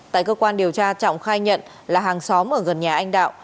tại cơ quan điều tra trọng khai nhận là hàng xóm ở gần nhà anh đạo